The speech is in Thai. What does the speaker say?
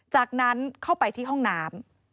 จากนั้นเข้าไปที่ห้องน้ำ